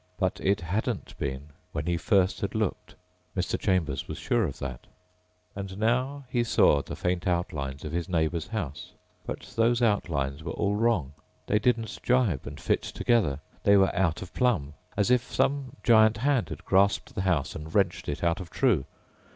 But it hadn't been when he first had looked. Mr. Chambers was sure of that. And now he saw the faint outlines of his neighbor's house ... but those outlines were all wrong. They didn't jibe and fit together ... they were out of plumb. As if some giant hand had grasped the house and wrenched it out of true.